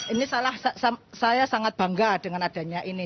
ini salah saya sangat bangga dengan adanya ini